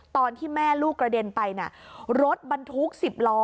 ตอนที่แม่ลูกกระเด็นไปนะรถบรรทุก๑๐ล้อ